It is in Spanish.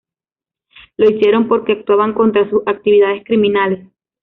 Lo hicieron, porque actuaban contra sus actividades criminales.